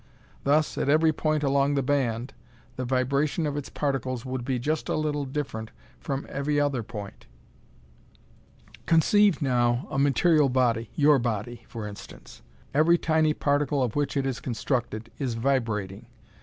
Thus, at every point along the band, the vibration of its particles would be just a little different from every other point. Conceive, now, a material body your body, for instance. Every tiny particle of which it is constructed, is vibrating.